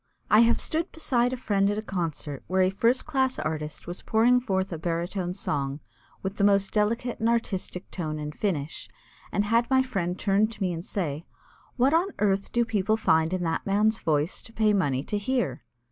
I have stood beside a friend at a concert where a first class artist was pouring forth a baritone song with the most delicate and artistic tone and finish, and had my friend turn to me and say: "What on earth do people find in that man's voice to pay money to hear?"